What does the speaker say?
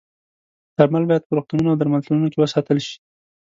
درمل باید په روغتونونو او درملتونونو کې وساتل شي.